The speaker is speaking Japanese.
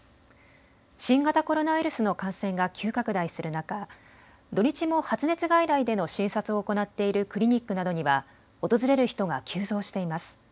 新型コロナウイルスの感染が急拡大する中、土日も発熱外来での診察を行っているクリニックなどには訪れる人が急増しています。